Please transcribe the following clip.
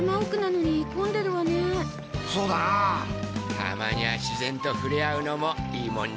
たまには自然と触れ合うのもいいもんだ。